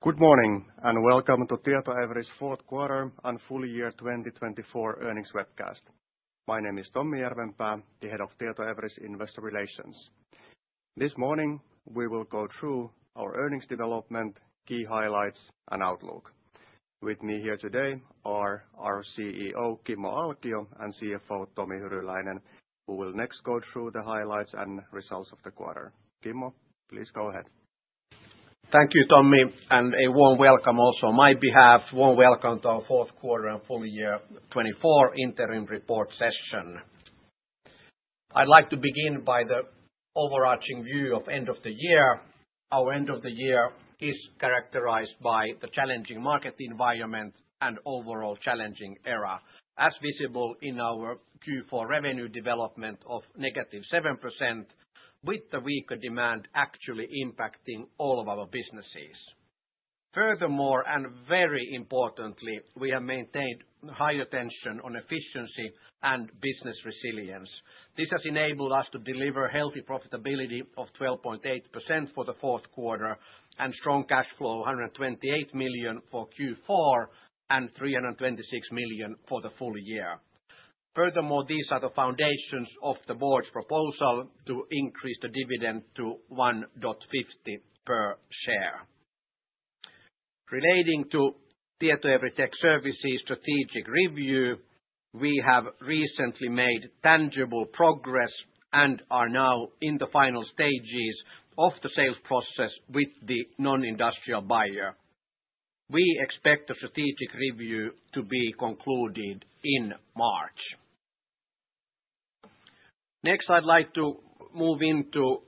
Good morning and welcome to Tietoevry's Fourth Quarter and Full Year 2024 Earnings Webcast. My name is Tommi Järvenpää, the Head of Tietoevry's Investor Relations. This morning we will go through our earnings development, key highlights, and outlook. With me here today are our CEO, Kimmo Alkio, and CFO, Tomi Hyryläinen, who will next go through the highlights and results of the quarter. Kimmo, please go ahead. Thank you, Tommi, and a warm welcome also on my behalf. Warm welcome to our Fourth Quarter and Full Year 2024 Interim Report session. I'd like to begin by the overarching view of end of the year. Our end of the year is characterized by the challenging market environment and overall challenging era, as visible in our Q4 revenue development of negative 7%, with the weaker demand actually impacting all of our businesses. Furthermore, and very importantly, we have maintained high attention on efficiency and business resilience. This has enabled us to deliver healthy profitability of 12.8% for the fourth quarter and strong cash flow of 128 million for Q4 and 326 million for the full year. Furthermore, these are the foundations of the board's proposal to increase the dividend to 1.50 per share. Relating to Tietoevry Tech Services strategic review, we have recently made tangible progress and are now in the final stages of the sales process with the non-industrial buyer. We expect the strategic review to be concluded in March. Next, I'd like to move into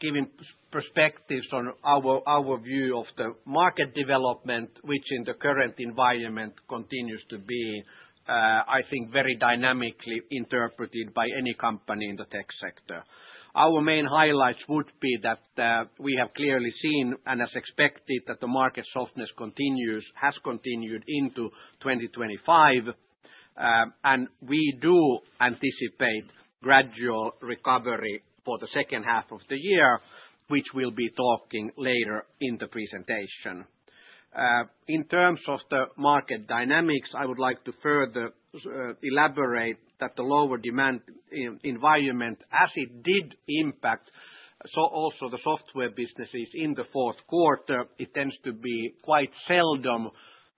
giving perspectives on our view of the market development, which in the current environment continues to be, I think, very dynamically interpreted by any company in the tech sector. Our main highlights would be that we have clearly seen and as expected that the market softness has continued into 2025, and we do anticipate gradual recovery for the second half of the year, which we'll be talking about later in the presentation. In terms of the market dynamics, I would like to further elaborate that the lower demand environment, as it did impact also the software businesses in the fourth quarter. It tends to be quite seldom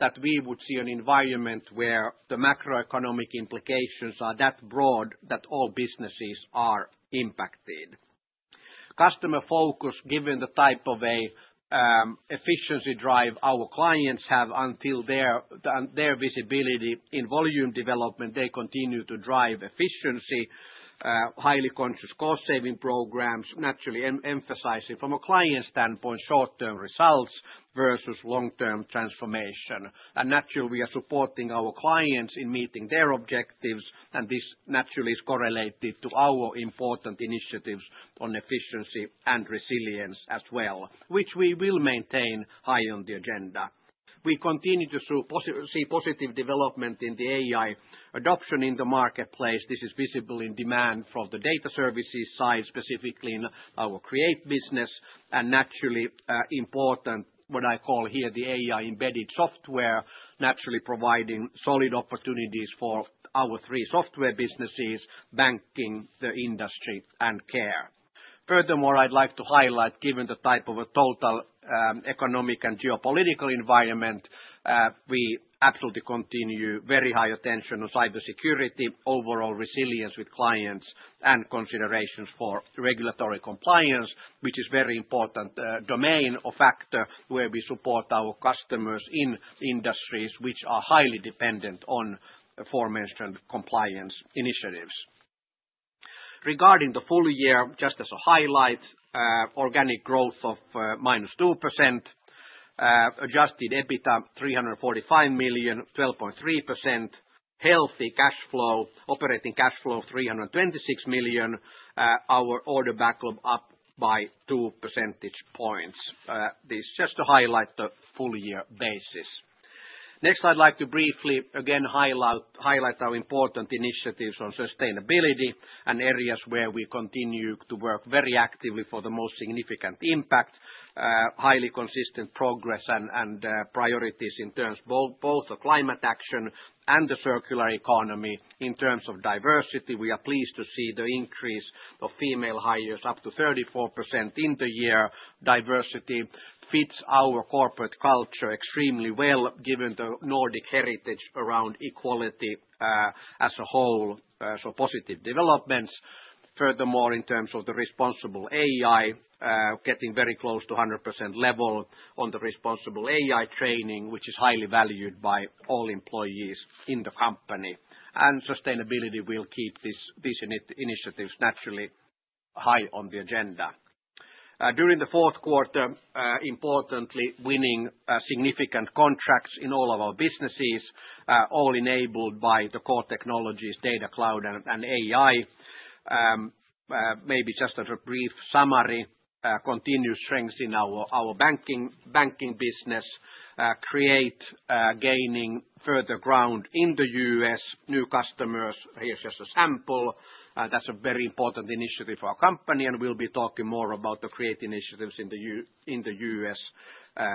that we would see an environment where the macroeconomic implications are that broad that all businesses are impacted. Customer focus, given the type of efficiency drive our clients have until their visibility in volume development. They continue to drive efficiency, highly conscious cost-saving programs, naturally emphasizing from a client standpoint short-term results versus long-term transformation, and naturally, we are supporting our clients in meeting their objectives. This naturally is correlated to our important initiatives on efficiency and resilience as well, which we will maintain high on the agenda. We continue to see positive development in the AI adoption in the marketplace. This is visible in demand from the data services side, specifically in our Create business, and naturally important, what I call here the AI embedded software, naturally providing solid opportunities for our three software businesses, Banking, the Industry, and Care. Furthermore, I'd like to highlight, given the type of a total economic and geopolitical environment. We absolutely continue very high attention on cybersecurity, overall resilience with clients, and considerations for regulatory compliance, which is a very important domain or factor where we support our customers in industries which are highly dependent on the aforementioned compliance initiatives. Regarding the full year, just as a highlight, organic growth of -2%, adjusted EBITDA 345 million, 12.3%, healthy cash flow, operating cash flow of 326 million, our order backlog up by two percentage points. This is just to highlight the full year basis. Next, I'd like to briefly again highlight our important initiatives on sustainability and areas where we continue to work very actively for the most significant impact, highly consistent progress and priorities in terms of both climate action and the circular economy. In terms of diversity, we are pleased to see the increase of female hires up to 34% in the year. Diversity fits our corporate culture extremely well, given the Nordic heritage around equality as a whole, so positive developments. Furthermore, in terms of the responsible AI, getting very close to 100% level on the responsible AI training, which is highly valued by all employees in the company. And sustainability will keep these initiatives naturally high on the agenda. During the fourth quarter, importantly, winning significant contracts in all of our businesses, all enabled by the core technologies, data, cloud, and AI. Maybe just as a brief summary, continued strength in our banking business, Create gaining further ground in the U.S., new customers, here's just a sample. That's a very important initiative for our company, and we'll be talking more about the Create initiatives in the U.S.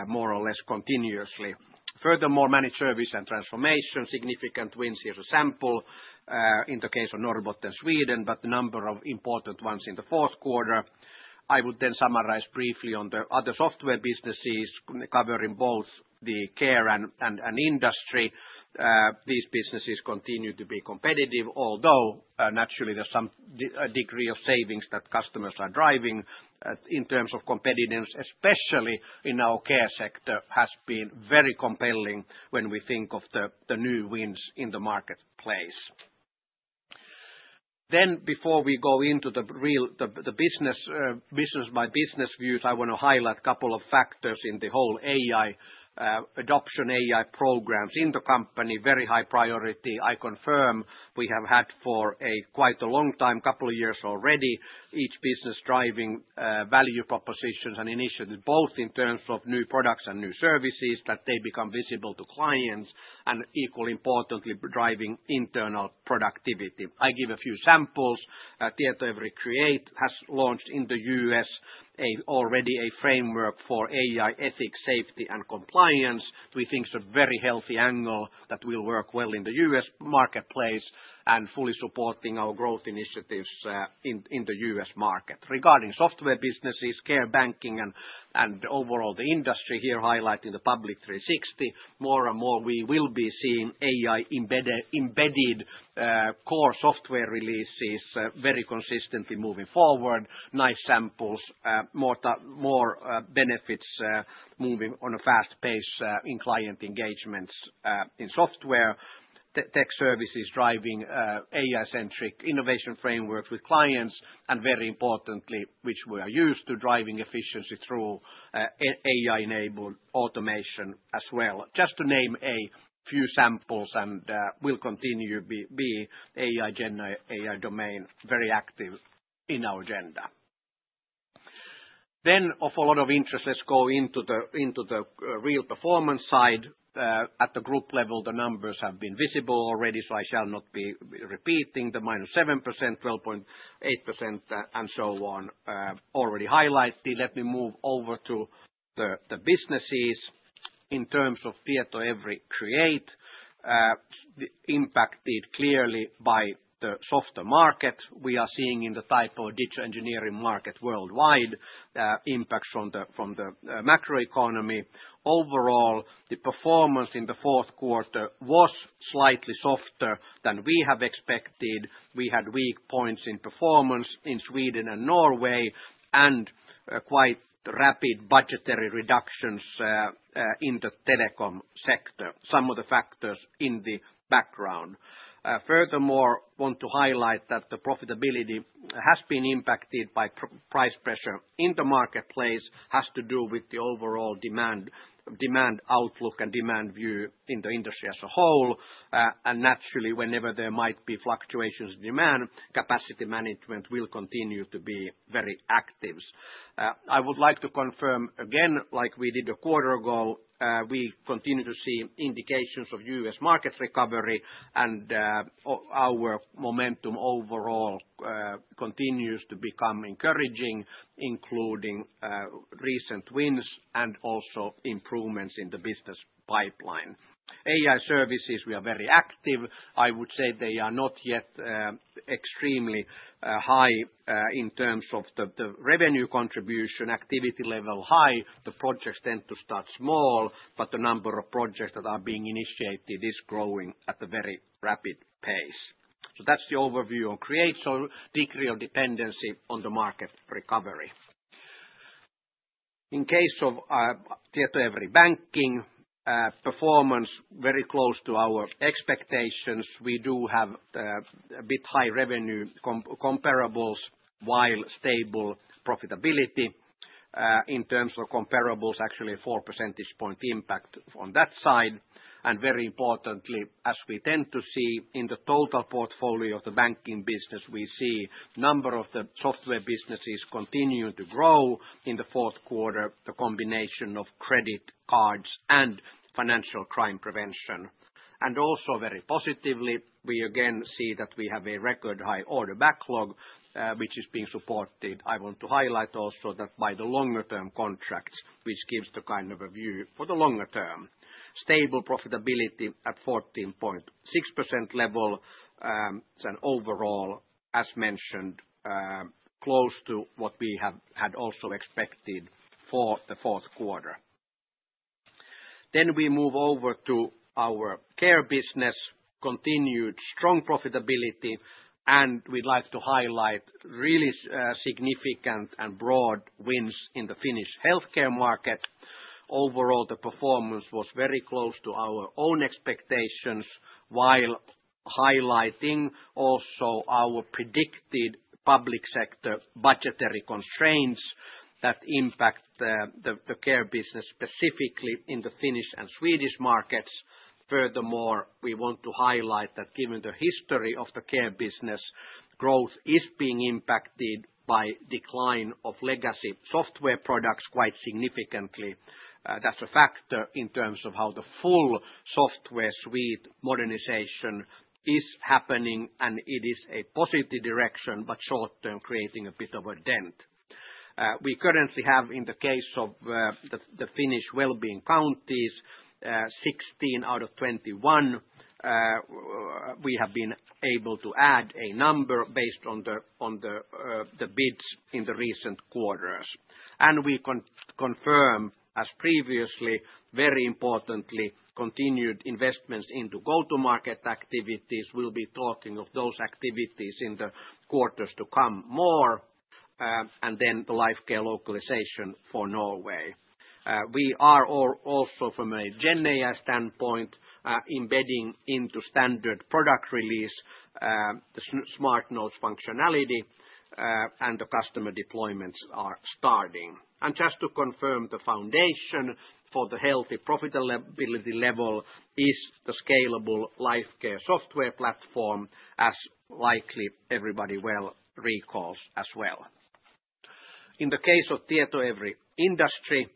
more or less continuously. Furthermore, managed service and transformation, significant wins, here's a sample in the case of Norrbotten, Sweden, but the number of important ones in the fourth quarter. I would then summarize briefly on the other software businesses, covering both the care and industry. These businesses continue to be competitive, although naturally there's some degree of savings that customers are driving. In terms of competitiveness, especially in our Care sector, it has been very compelling when we think of the new wins in the marketplace. Then, before we go into the business-by-business views, I want to highlight a couple of factors in the whole AI adoption AI programs in the company. Very high priority, I confirm we have had for quite a long time, a couple of years already, each business driving value propositions and initiatives, both in terms of new products and new services, that they become visible to clients and equally importantly driving internal productivity. I give a few samples. Tietoevry Create has launched in the U.S. already a framework for AI ethics, safety, and compliance. We think it's a very healthy angle that will work well in the U.S. marketplace and fully supporting our growth initiatives in the U.S. market. Regarding software businesses, Care, Banking, and overall the Industry here, highlighting the Public 360, more and more we will be seeing AI embedded core software releases very consistently moving forward. Nice samples, more benefits moving on a fast pace in client engagements in software, Tech Services driving AI-centric innovation frameworks with clients. And very importantly, which we are used to driving efficiency through AI-enabled automation as well. Just to name a few samples, and we'll continue to be AI domain very active in our agenda. Then, of a lot of interest, let's go into the real performance side. At the group level, the numbers have been visible already, so I shall not be repeating the minus 7%, 12.8%, and so on, already highlighted. Let me move over to the businesses. In terms of Tietoevry Create, impacted clearly by the software market, we are seeing in the type of digital engineering market worldwide impacts from the macro economy. Overall, the performance in the fourth quarter was slightly softer than we have expected. We had weak points in performance in Sweden and Norway and quite rapid budgetary reductions in the telecom sector. Some of the factors in the background. Furthermore, I want to highlight that the profitability has been impacted by price pressure in the marketplace. It has to do with the overall demand outlook and demand view in the industry as a whole. And naturally, whenever there might be fluctuations in demand, capacity management will continue to be very active. I would like to confirm again, like we did a quarter ago, we continue to see indications of U.S. market recovery, and our momentum overall continues to become encouraging, including recent wins and also improvements in the business pipeline. AI services, we are very active. I would say they are not yet extremely high in terms of the revenue contribution. Activity level high, the projects tend to start small, but the number of projects that are being initiated is growing at a very rapid pace, so that's the overview on Create, so degree of dependency on the market recovery. In case of Tietoevry Banking, performance very close to our expectations. We do have a bit high revenue comparables while stable profitability. In terms of comparables, actually a four percentage point impact on that side, and very importantly, as we tend to see in the total portfolio of the banking business, we see the number of the software businesses continuing to grow in the fourth quarter, the combination of credit cards and financial crime prevention, and also very positively, we again see that we have a record high order backlog, which is being supported. I want to highlight also that by the longer-term contracts, which gives the kind of a view for the longer term. Stable profitability at 14.6% level and overall, as mentioned, close to what we had also expected for the fourth quarter, then we move over to our Care business, continued strong profitability, and we'd like to highlight really significant and broad wins in the Finnish Healthcare market. Overall, the performance was very close to our own expectations, while highlighting also our predicted public sector budgetary constraints that impact the Care business specifically in the Finnish and Swedish markets. Furthermore, we want to highlight that given the history of the Care business, growth is being impacted by the decline of legacy software products quite significantly. That's a factor in terms of how the full software suite modernization is happening, and it is a positive direction, but short-term, creating a bit of a dent. We currently have, in the case of the Finnish wellbeing counties, 16 out of 21. We have been able to add a number based on the bids in the recent quarters. And we confirm, as previously, very importantly, continued investments into go-to-market activities. We'll be talking of those activities in the quarters to come more, and then the Lifecare localization for Norway. We are also from a Gen AI standpoint embedding into standard product release the Smart Notes functionality, and the customer deployments are starting. And just to confirm, the foundation for the healthy profitability level is the scalable Lifecare software platform, as likely everybody well recalls as well. In the case of Tietoevry Industry,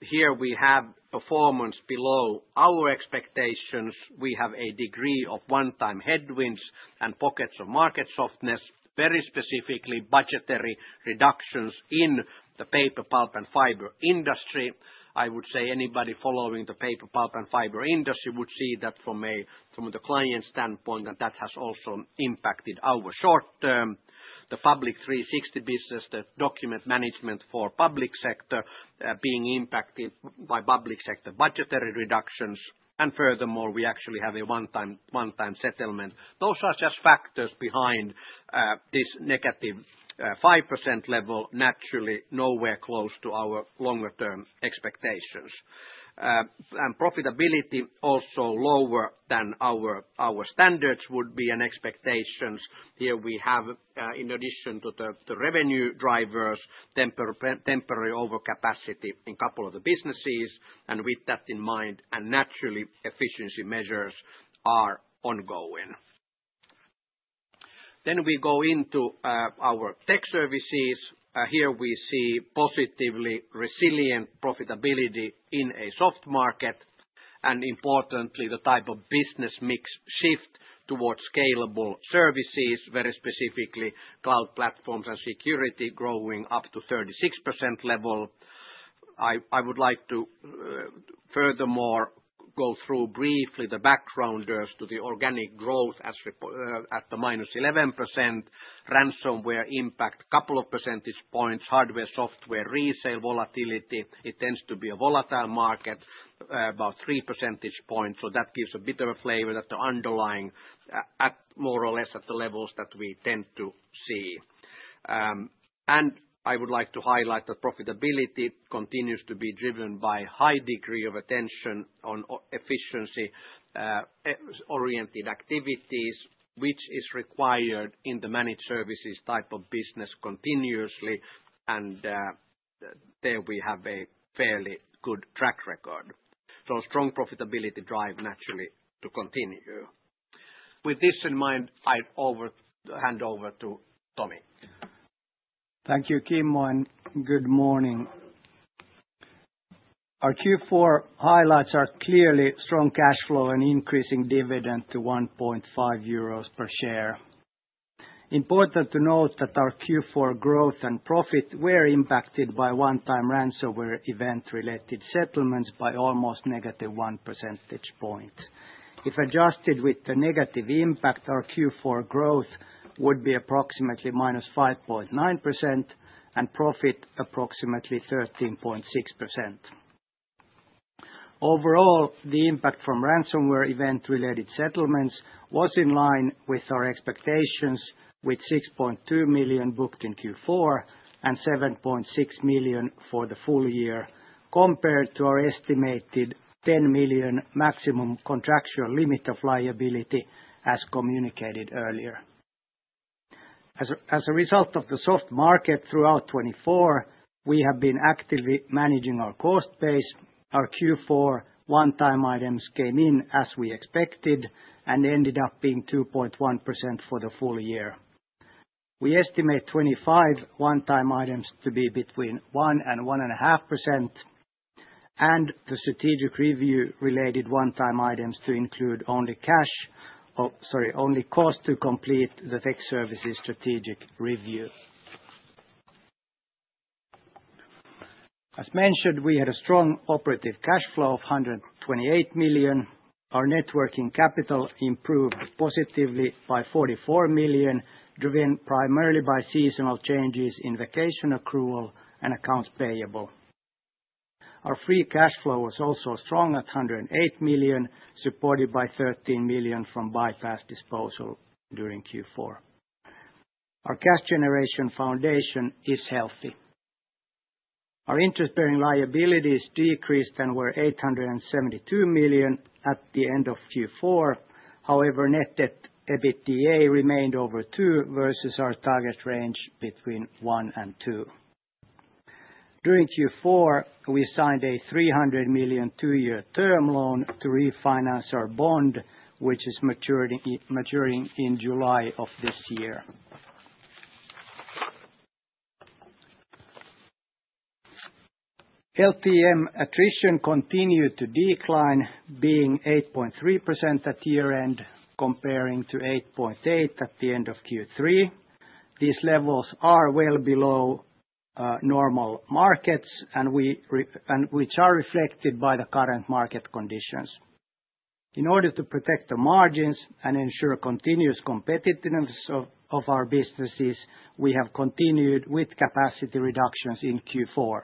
here we have performance below our expectations. We have a degree of one-time headwinds and pockets of market softness, very specifically budgetary reductions in the paper pulp and fiber industry. I would say anybody following the paper pulp and fiber industry would see that from the client standpoint, and that has also impacted our short-term. The Public 360 business, the document management for public sector, being impacted by public sector budgetary reductions, and furthermore, we actually have a one-time settlement. Those are just factors behind this negative 5% level, naturally nowhere close to our longer-term expectations. And profitability also lower than our standards would be an expectation. Here we have, in addition to the revenue drivers, temporary overcapacity in a couple of the businesses. And with that in mind, and naturally efficiency measures are ongoing. Then we go into our Tech Services. Here we see positively resilient profitability in a soft market, and importantly, the type of business mix shift towards scalable services, very specifically cloud platforms and security growing up to 36% level. I would like to furthermore go through briefly the backgrounders to the organic growth at the -11%, ransomware impact a couple of percentage points, hardware-software resale volatility. It tends to be a volatile market, about three percentage points, so that gives a bit of a flavor that the underlying at more or less at the levels that we tend to see. And I would like to highlight that profitability continues to be driven by a high degree of attention on efficiency-oriented activities, which is required in the managed services type of business continuously, and there we have a fairly good track record. So strong profitability drive naturally to continue. With this in mind, I hand over to Tomi. Thank you, Kimmo, and good morning. Our Q4 highlights are clearly strong cash flow and increasing dividend to 1.5 euros per share. Important to note that our Q4 growth and profit were impacted by one-time ransomware event-related settlements by almost negative one percentage point. If adjusted with the negative impact, our Q4 growth would be approximately -5.9% and profit approximately 13.6%. Overall, the impact from ransomware event related settlements was in line with our expectations, with 6.2 million booked in Q4 and 7.6 million for the full year, compared to our estimated 10 million maximum contractual limit of liability as communicated earlier. As a result of the soft market throughout 2024, we have been actively managing our cost base. Our Q4 one-time items came in as we expected and ended up being 2.1% for the full year. We estimate 25 one-time items to be between one and 1.5%, and the strategic review-related one-time items to include only cost to complete the Tech Services strategic review. As mentioned, we had a strong operative cash flow of 128 million. Our net working capital improved positively by 44 million, driven primarily by seasonal changes in vacation accrual and accounts payable. Our free cash flow was also strong at 108 million, supported by 13 million from Buypass disposal during Q4. Our cash generation foundation is healthy. Our interest-bearing liabilities decreased and were 872 million at the end of Q4. However, net debt EBITDA remained over two versus our target range between one and two. During Q4, we signed a 300 million two-year term loan to refinance our bond, which is maturing in July of this year. LTM attrition continued to decline, being 8.3% at year end, comparing to 8.8% at the end of Q3. These levels are well below normal markets, and which are reflected by the current market conditions. In order to protect the margins and ensure continuous competitiveness of our businesses, we have continued with capacity reductions in Q4.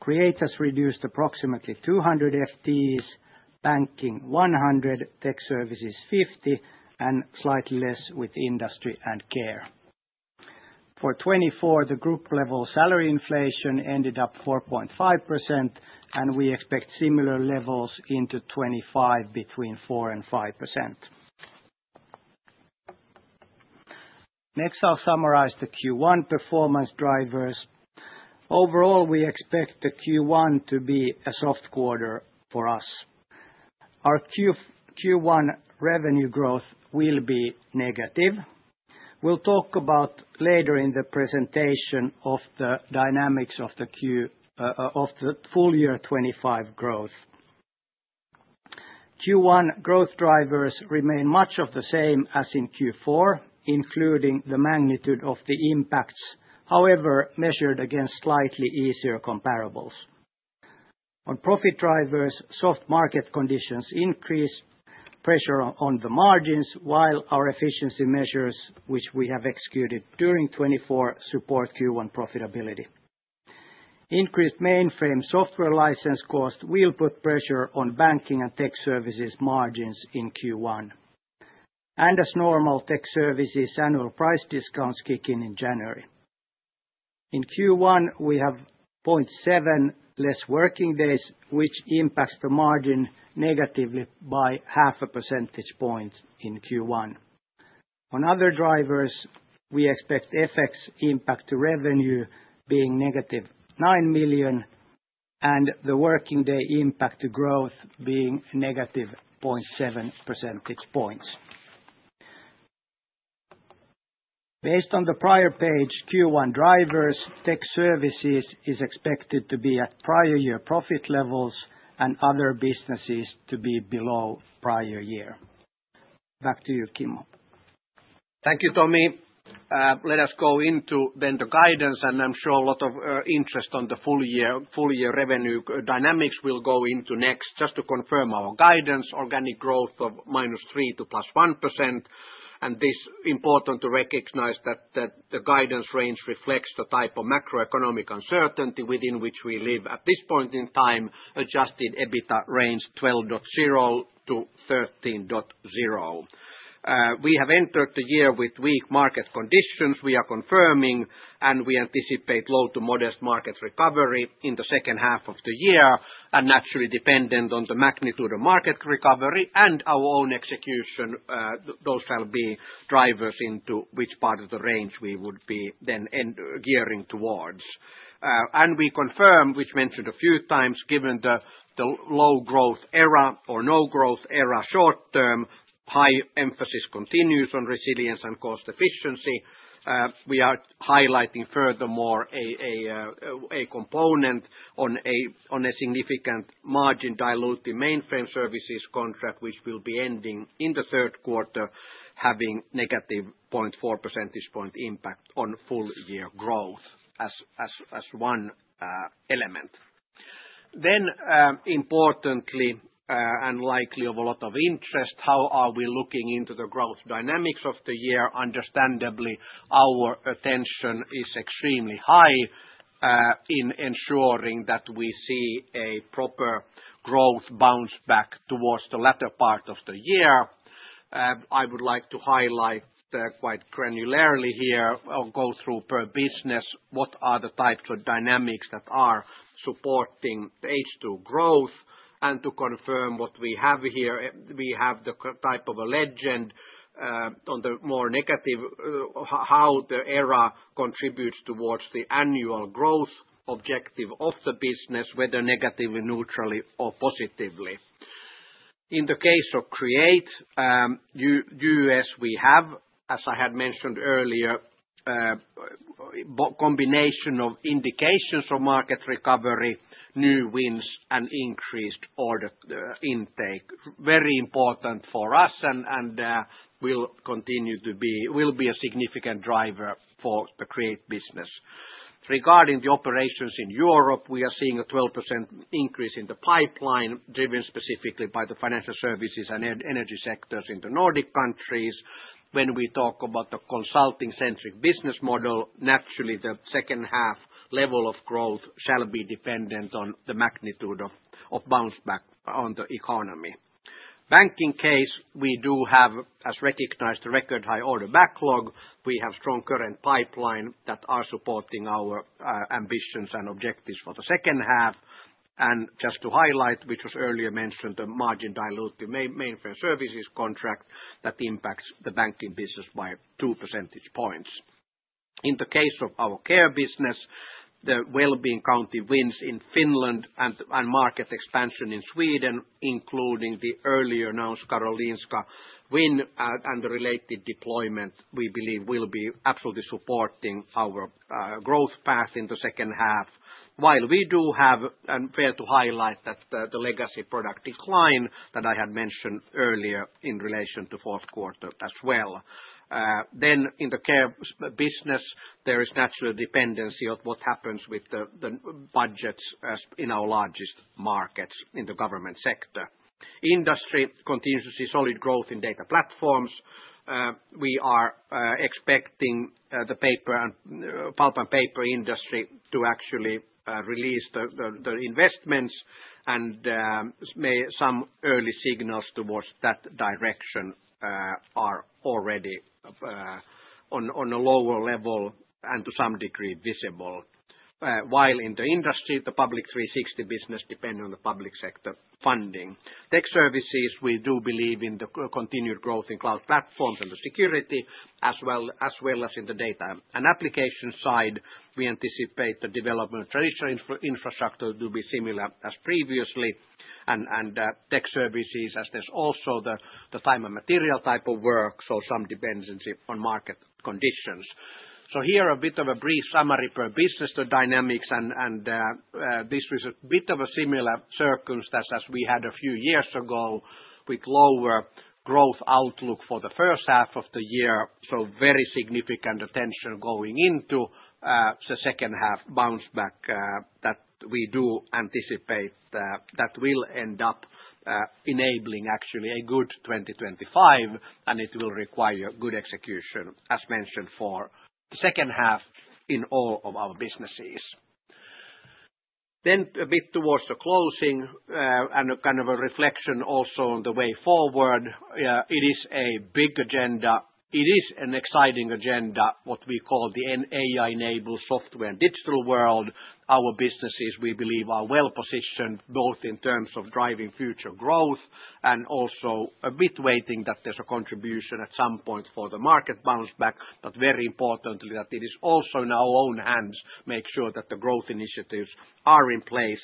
Create has reduced approximately 200 FTEs, Banking 100, Tech Services 50, and slightly less with Industry and Care. For 2024, the group level salary inflation ended up 4.5%, and we expect similar levels into 2025 between 4% and 5%. Next, I'll summarize the Q1 performance drivers. Overall, we expect the Q1 to be a soft quarter for us. Our Q1 revenue growth will be negative. We'll talk about later in the presentation of the dynamics of the full year 2025 growth. Q1 growth drivers remain much of the same as in Q4, including the magnitude of the impacts, however measured against slightly easier comparables. On profit drivers, soft market conditions increased pressure on the margins, while our efficiency measures, which we have executed during 2024, support Q1 profitability. Increased mainframe software license costs will put pressure on Banking and Tech Services margins in Q1, and as normal, Tech Services annual price discounts kick in in January. In Q1, we have 0.7 less working days, which impacts the margin negatively by 0.5 percentage points in Q1. On other drivers, we expect FX impact to revenue being -9 million, and the working day impact to growth being -0.7 percentage points. Based on the prior page, Q1 drivers, Tech Services is expected to be at prior year profit levels, and other businesses to be below prior year. Back to you, Kimmo. Thank you, Tomi. Let us go into then the guidance, and I'm sure a lot of interest on the full year revenue dynamics will go into next. Just to confirm our guidance, organic growth of -3% to +1%, and this is important to recognize that the guidance range reflects the type of macroeconomic uncertainty within which we live at this point in time, adjusted EBITDA range 12.0-13.0. We have entered the year with weak market conditions. We are confirming, and we anticipate low to modest market recovery in the second half of the year, and naturally dependent on the magnitude of market recovery and our own execution. Those shall be drivers into which part of the range we would be then gearing towards. We confirm, which mentioned a few times, given the low growth era or no growth era short-term, high emphasis continues on resilience and cost efficiency. We are highlighting furthermore a component on a significant margin diluted mainframe services contract, which will be ending in the third quarter, having -0.4 percentage point impact on full year growth as one element. Importantly and likely of a lot of interest, how are we looking into the growth dynamics of the year? Understandably, our attention is extremely high in ensuring that we see a proper growth bounce back towards the latter part of the year. I would like to highlight quite granularly here or go through per business what are the types of dynamics that are supporting the H2 growth. To confirm what we have here, we have the type of a legend on the more negative how the era contributes toward the annual growth objective of the business, whether negatively, neutrally, or positively. In the case of Create, U.S., we have, as I had mentioned earlier, a combination of indications of market recovery, new wins, and increased order intake. Very important for us and will continue to be, will be a significant driver for the Create business. Regarding the operations in Europe, we are seeing a 12% increase in the pipeline driven specifically by the financial services and energy sectors in the Nordic countries. When we talk about the consulting-centric business model, naturally the second half level of growth shall be dependent on the magnitude of bounce back on the economy. Banking case, we do have a recognized record high order backlog. We have strong current pipeline that are supporting our ambitions and objectives for the second half, and just to highlight, which was earlier mentioned, the margin diluted mainframe services contract that impacts the Banking business by two percentage points. In the case of our Care business, the well-being county wins in Finland and market expansion in Sweden, including the earlier announced Karolinska win and the related deployment, we believe will be absolutely supporting our growth path in the second half. While we do have, and it's fair to highlight, that the legacy product decline that I had mentioned earlier in relation to fourth quarter as well, then in the Care business, there is natural dependency of what happens with the budgets in our largest markets in the government sector. Industry continues to see solid growth in data platforms. We are expecting the pulp and paper industry to actually release the investments, and some early signals towards that direction are already on a lower level and to some degree visible. While in the industry, the Public 360 business depends on the public sector funding. Tech Services, we do believe in the continued growth in cloud platforms and the security as well as in the data and application side. We anticipate the development of traditional infrastructure will be similar as previously, and Tech Services, as there's also the time and material type of work, so some dependency on market conditions. Here a bit of a brief summary per business, the dynamics, and this was a bit of a similar circumstance as we had a few years ago with lower growth outlook for the first half of the year. So, very significant attention going into the second half bounce back that we do anticipate that will end up enabling actually a good 2025, and it will require good execution as mentioned for the second half in all of our businesses. Then, a bit towards the closing and kind of a reflection also on the way forward. It is a big agenda. It is an exciting agenda, what we call the AI-enabled software and digital world. Our businesses, we believe, are well positioned both in terms of driving future growth and also a bit waiting that there's a contribution at some point for the market bounce back. But very importantly that it is also in our own hands to make sure that the growth initiatives are in place.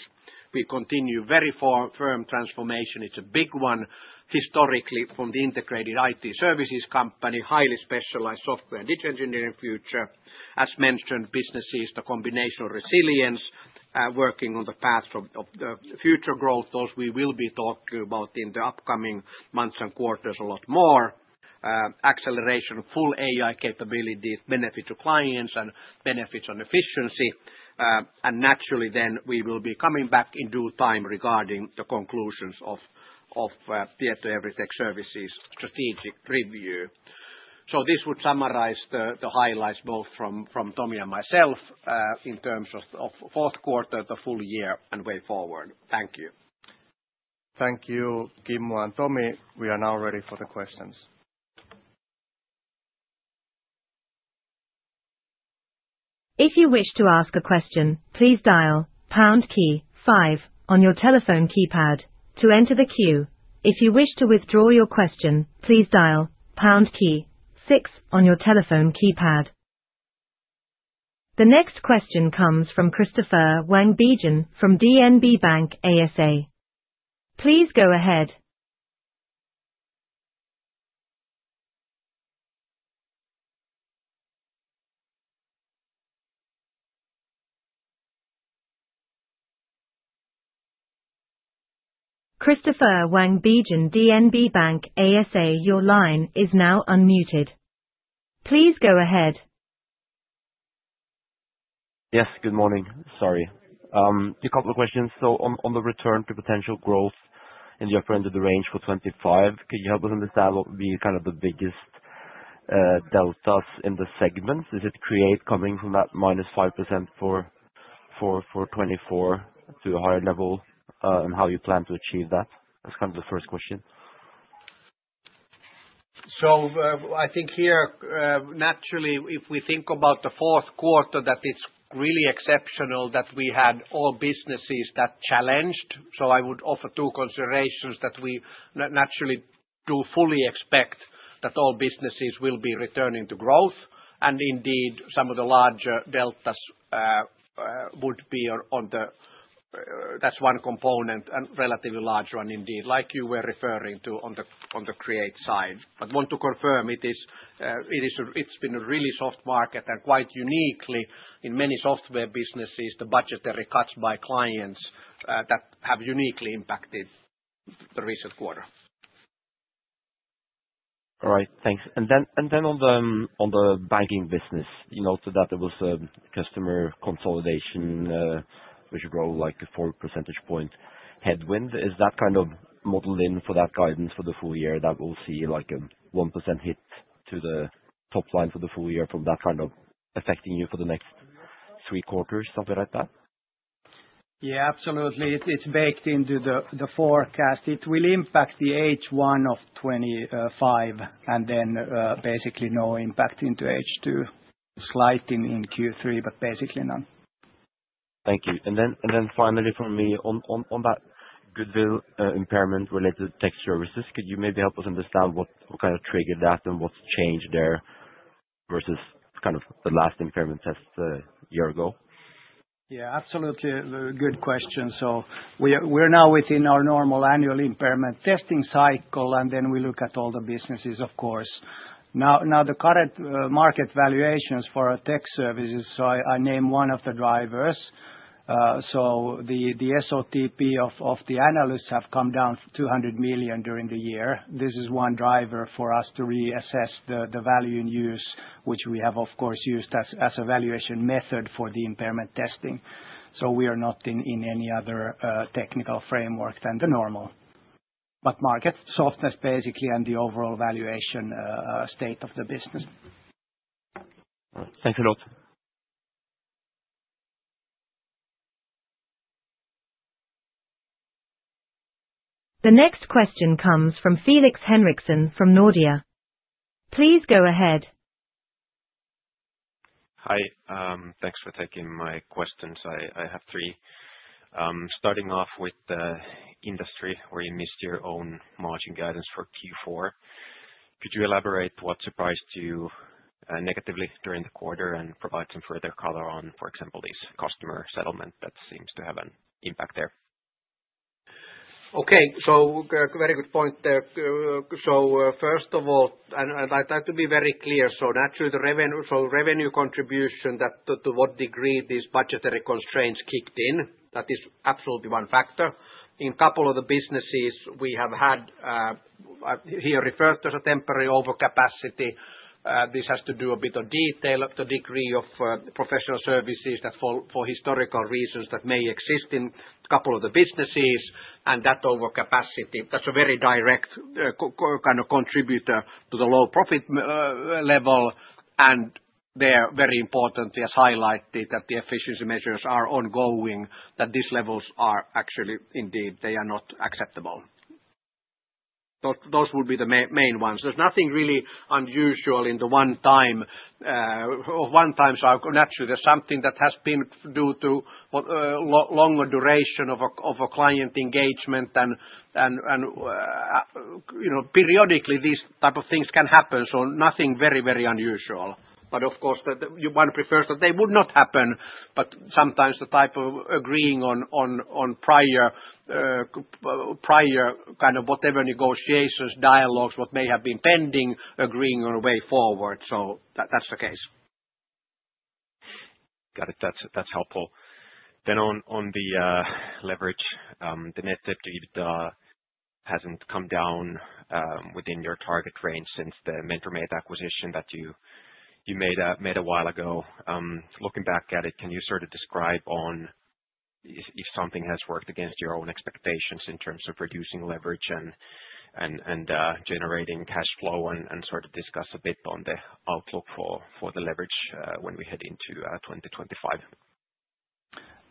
We continue very firm transformation. It's a big one historically from the integrated IT services company, highly specialized software and digital engineering future. As mentioned, businesses, the combination of resilience, working on the path of the future growth, those we will be talking about in the upcoming months and quarters a lot more. Acceleration, full AI capabilities, benefit to clients and benefits on efficiency. And naturally then we will be coming back in due time regarding the conclusions of the Tietoevry Tech Services strategic review. So this would summarize the highlights both from Tomi and myself in terms of fourth quarter, the full year and way forward. Thank you. Thank you, Kimmo and Tomi. We are now ready for the questions. If you wish to ask a question, please dial pound key five on your telephone keypad to enter the queue. If you wish to withdraw your question, please dial pound key six on your telephone keypad. The next question comes from Christoffer Wang Bjørnsen from DNB Bank ASA. Please go ahead. Christoffer Wang Bjørnsen, DNB Bank ASA, your line is now unmuted. Please go ahead. Yes, good morning. Sorry. A couple of questions. So on the return to potential growth in the upper end of the range for 2025, can you help us understand what would be kind of the biggest deltas in the segments? Is it Create coming from that -5% for 2024 to a higher level and how you plan to achieve that? That's kind of the first question. So I think here, naturally, if we think about the fourth quarter, that it's really exceptional that we had all businesses that challenged. So I would offer two considerations that we naturally do fully expect that all businesses will be returning to growth. And indeed, some of the larger deltas would be on the, that's one component and relatively large one indeed, like you were referring to on the Create side. But want to confirm it is, it's been a really soft market and quite uniquely in many software businesses, the budgetary cuts by clients that have uniquely impacted the recent quarter. All right, thanks. And then on the Banking business, you noted that there was customer consolidation, which rolled like a 4% headwind. Is that kind of modeled in for that guidance for the full year that we'll see like a 1% hit to the top line for the full year from that kind of affecting you for the next three quarters, something like that? Yeah, absolutely. It's baked into the forecast. It will impact the H1 of 2025 and then basically no impact into H2, slight in Q3, but basically none. Thank you. And then finally for me, on that goodwill impairment related to Tech Services, could you maybe help us understand what kind of triggered that and what's changed there versus kind of the last impairment test a year ago? Yeah, absolutely. Good question. So we're now within our normal annual impairment testing cycle, and then we look at all the businesses, of course. Now the current market valuations for our Tech Services, so I name one of the drivers. So the SOTP of the analysts have come down 200 million during the year. This is one driver for us to reassess the value in use, which we have, of course, used as a valuation method for the impairment testing. So we are not in any other technical framework than the normal. But market softness basically and the overall valuation state of the business. Thanks a lot. The next question comes from Felix Henriksson from Nordea. Please go ahead. Hi, thanks for taking my questions. I have three. Starting off with the Industry where you missed your own margin guidance for Q4. Could you elaborate what surprised you negatively during the quarter and provide some further color on, for example, this customer settlement that seems to have an impact there? Okay, so very good point there. So first of all, and I'd like to be very clear, so naturally the revenue contribution to what degree these budgetary constraints kicked in, that is absolutely one factor. In a couple of the businesses we have had here referred to as a temporary overcapacity, this has to do a bit of detail, the degree of professional services that for historical reasons that may exist in a couple of the businesses and that overcapacity, that's a very direct kind of contributor to the low profit level, and they are very importantly as highlighted that the efficiency measures are ongoing, that these levels are actually indeed, they are not acceptable. Those would be the main ones. There's nothing really unusual in the one time, one times are naturally, there's something that has been due to longer duration of a client engagement and periodically these type of things can happen, so nothing very, very unusual. But of course, one prefers that they would not happen, but sometimes the type of agreeing on prior kind of whatever negotiations, dialogues, what may have been pending, agreeing on a way forward. So that's the case. Got it. That's helpful. Then on the leverage, the net debt-to-EBITDA hasn't come down within your target range since the MentorMate acquisition that you made a while ago. Looking back at it, can you sort of describe on if something has worked against your own expectations in terms of reducing leverage and generating cash flow and sort of discuss a bit on the outlook for the leverage when we head into 2025?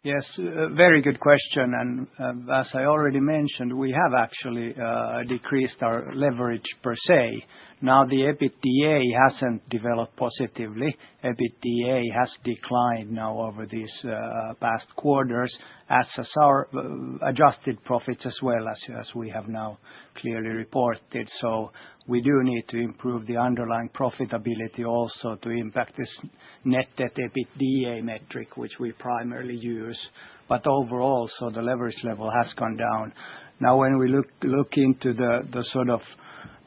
Yes, very good question. And as I already mentioned, we have actually decreased our leverage per se. Now the EBITDA hasn't developed positively. EBITDA has declined now over these past quarters as adjusted profits as well as we have now clearly reported. So we do need to improve the underlying profitability also to impact this net debt-to-EBITDA metric, which we primarily use. But overall, so the leverage level has gone down. Now when we look into the sort of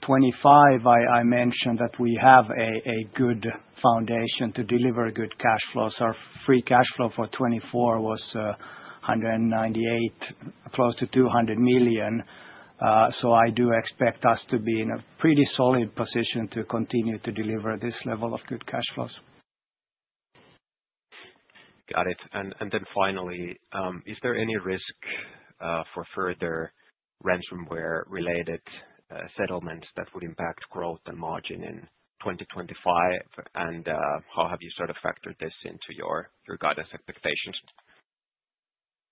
2025, I mentioned that we have a good foundation to deliver good cash flows. Our free cash flow for 2024 was 198 million close to 200 million. So I do expect us to be in a pretty solid position to continue to deliver this level of good cash flows. Got it. And then finally, is there any risk for further ransomware-related settlements that would impact growth and margin in 2025? And how have you sort of factored this into your guidance expectations?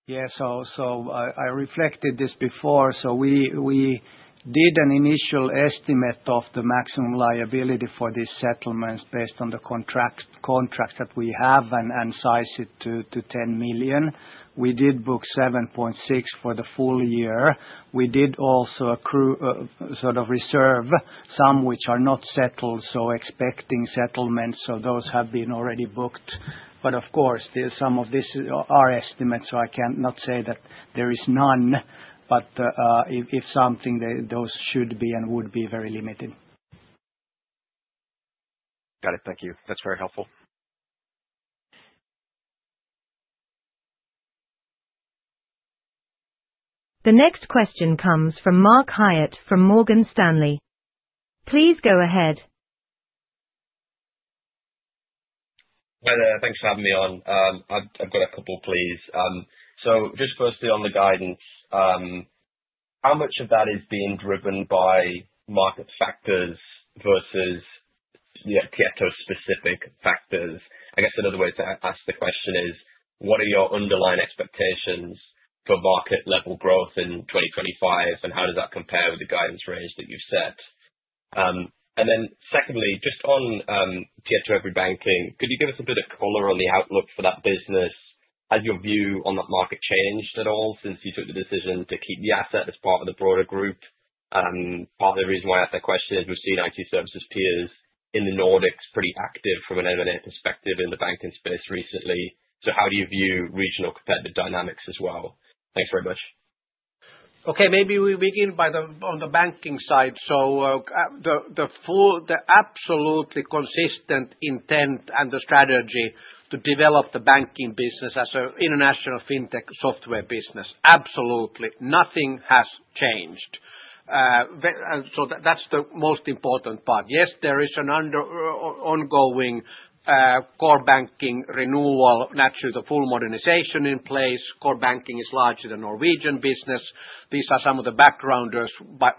Yeah, so I reflected this before. So we did an initial estimate of the maximum liability for these settlements based on the contracts that we have and sized it to 10 million. We did book 7.6 million for the full year. We did also sort of reserve some which are not settled, so expecting settlements. So those have been already booked. But of course, some of these are estimates, so I cannot say that there is none. But if something, those should be and would be very limited. Got it. Thank you. That's very helpful. The next question comes from Mark Hyatt from Morgan Stanley. Please go ahead. Hi there. Thanks for having me on. I've got a couple of please. So just firstly on the guidance, how much of that is being driven by market factors versus Tieto-specific factors? I guess another way to ask the question is, what are your underlying expectations for market-level growth in 2025, and how does that compare with the guidance range that you've set? And then secondly, just on Tietoevry Banking, could you give us a bit of color on the outlook for that business? Has your view on that market changed at all since you took the decision to keep the asset as part of the broader group? Part of the reason why I asked that question is we've seen IT services peers in the Nordics pretty active from an M&A perspective in the banking space recently. So how do you view regional competitive dynamics as well? Thanks very much. Okay, maybe we begin on the banking side. So the absolutely consistent intent and the strategy to develop the banking business as an international fintech software business. Absolutely. Nothing has changed. So that's the most important part. Yes, there is an ongoing core banking renewal, naturally the full modernization in place. Core banking is largely the Norwegian business. These are some of the backgrounders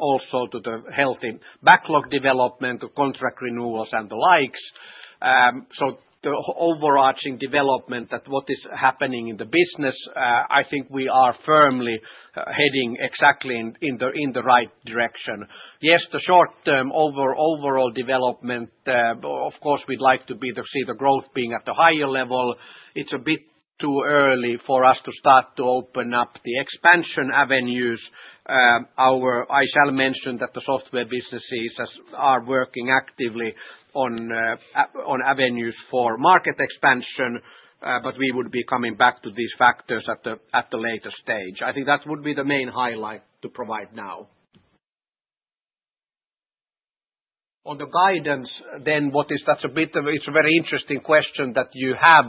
also to the healthy backlog development, the contract renewals and the likes. So the overarching development that what is happening in the business, I think we are firmly heading exactly in the right direction. Yes, the short-term overall development, of course, we'd like to see the growth being at a higher level. It's a bit too early for us to start to open up the expansion avenues. I shall mention that the software businesses are working actively on avenues for market expansion, but we would be coming back to these factors at the later stage. I think that would be the main highlight to provide now. On the guidance then, that's a bit of a very interesting question that you have.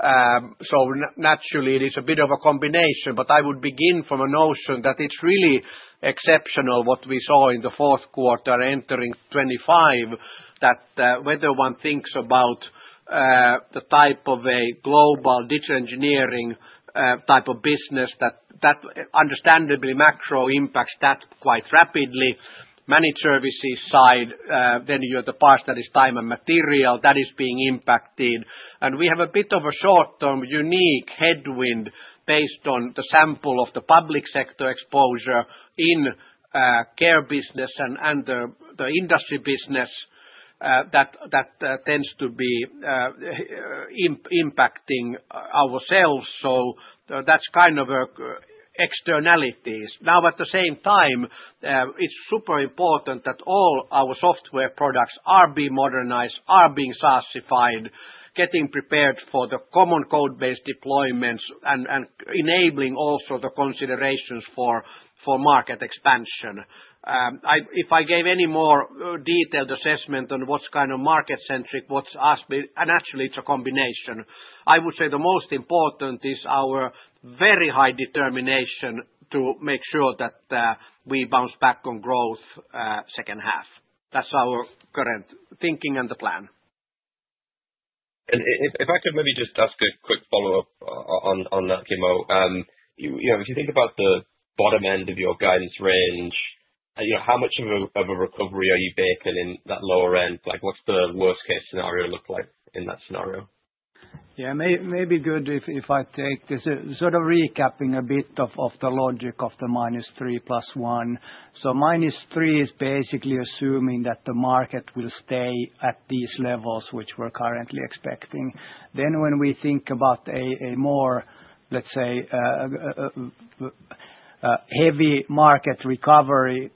So naturally, it is a bit of a combination, but I would begin from a notion that it's really exceptional what we saw in the fourth quarter entering 2025, that whether one thinks about the type of a global digital engineering type of business, that understandably macro impacts that quite rapidly. On the managed services side, then you have the part that is time and material that is being impacted. We have a bit of a short-term unique headwind based on the sample of the public sector exposure in Care business and the industry business that tends to be impacting ourselves. That's kind of externalities. Now, at the same time, it's super important that all our software products are being modernized, are being SaaS-ified, getting prepared for the common code-based deployments and enabling also the considerations for market expansion. If I gave any more detailed assessment on what's kind of market-centric, what's us, and actually it's a combination. I would say the most important is our very high determination to make sure that we bounce back on growth second half. That's our current thinking and the plan. And if I could maybe just ask a quick follow up on that, Kimmo. If you think about the bottom end of your guidance range, how much of a recovery are you baking in that lower end? What's the worst-case scenario look like in that scenario? Yeah, maybe good if I take this sort of recapping a bit of the logic of the minus three plus one. So minus three is basically assuming that the market will stay at these levels, which we're currently expecting. Then when we think about a more, let's say, heavy market recovery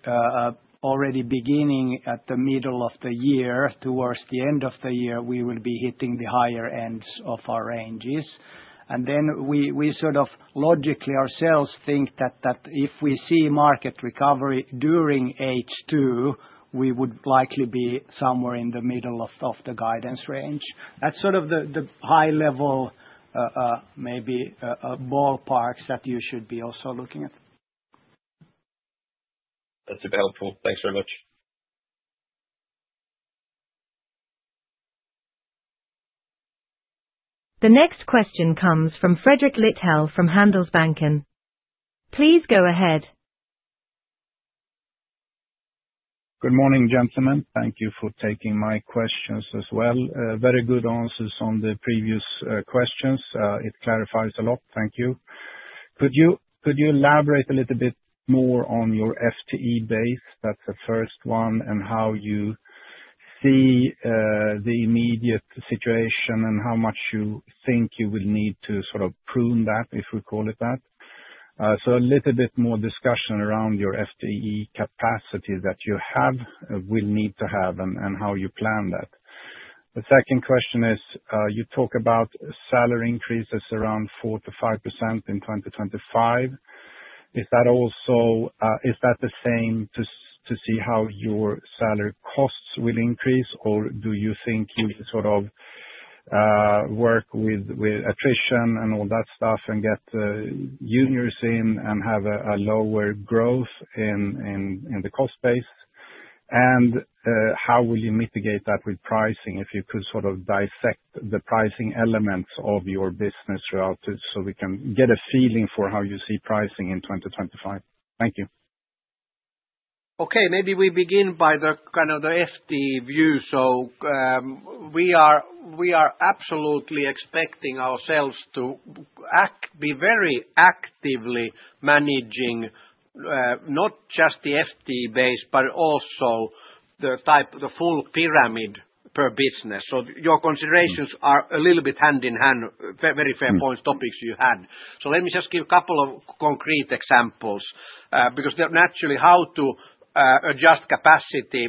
already beginning at the middle of the year towards the end of the year, we will be hitting the higher ends of our ranges. And then we sort of logically ourselves think that if we see market recovery during H2, we would likely be somewhere in the middle of the guidance range. That's sort of the high-level maybe ballparks that you should be also looking at. That's super helpful. Thanks very much. The next question comes from Fredrik Lithell from Handelsbanken. Please go ahead. Good morning, gentlemen. Thank you for taking my questions as well. Very good answers on the previous questions. It clarifies a lot. Thank you. Could you elaborate a little bit more on your FTE base? That's the first one and how you see the immediate situation and how much you think you will need to sort of prune that, if we call it that. So a little bit more discussion around your FTE capacity that you have, will need to have, and how you plan that. The second question is you talk about salary increases around 4%-5% in 2025. Is that the same to see how your salary costs will increase, or do you think you sort of work with attrition and all that stuff and get juniors in and have a lower growth in the cost base? And how will you mitigate that with pricing if you could sort of dissect the pricing elements of your business throughout so we can get a feeling for how you see pricing in 2025? Thank you. Okay, maybe we begin by the kind of the FTE view, so we are absolutely expecting ourselves to be very actively managing not just the FTE base, but also the full pyramid per business, so your considerations are a little bit hand in hand, very fair point, topics you had, so let me just give a couple of concrete examples because naturally how to adjust capacity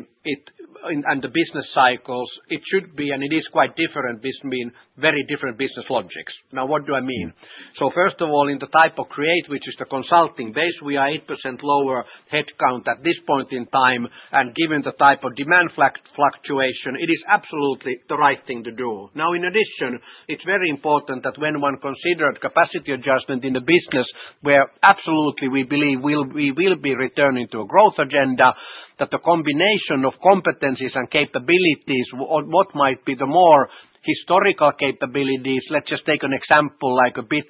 and the business cycles, it should be and it is quite different between very different business logics. Now, what do I mean, so first of all, in Tietoevry Create, which is the consulting base, we are 8% lower headcount at this point in time, and given the type of demand fluctuation, it is absolutely the right thing to do. Now, in addition, it's very important that when one considered capacity adjustment in the business, where absolutely we believe we will be returning to a growth agenda, that the combination of competencies and capabilities, what might be the more historical capabilities, let's just take an example like a bit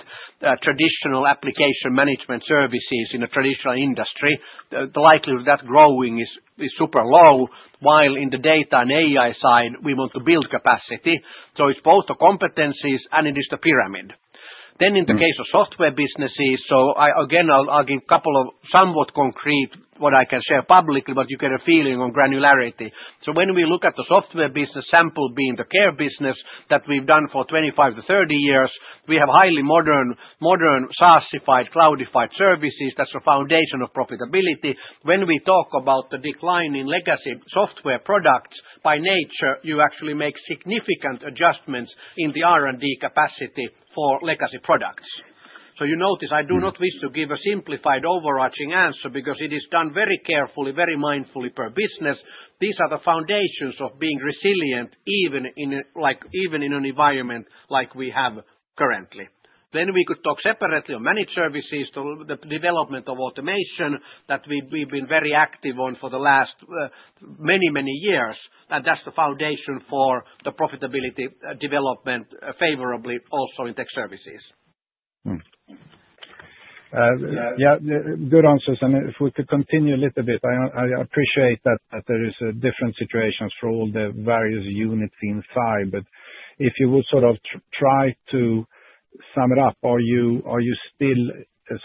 traditional application management services in a traditional industry, the likelihood that growing is super low, while in the data and AI side, we want to build capacity. So it's both the competencies and it is the pyramid. Then in the case of software businesses, so again, I'll give a couple of somewhat concrete what I can share publicly, but you get a feeling on granularity. So when we look at the software business sample being the Care business that we've done for 25-30 years, we have highly modern SaaS-ified, Cloud-ified services. That's the foundation of profitability. When we talk about the decline in legacy software products, by nature, you actually make significant adjustments in the R&D capacity for legacy products. So you notice I do not wish to give a simplified overarching answer because it is done very carefully, very mindfully per business. These are the foundations of being resilient even in an environment like we have currently. Then we could talk separately on managed services, the development of automation that we've been very active on for the last many, many years. And that's the foundation for the profitability development favorably also in Tech Services. Yeah, good answers. And if we could continue a little bit, I appreciate that there are different situations for all the various units inside. But if you would sort of try to sum it up, are you still